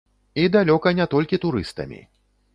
І далёка не толькі турыстамі.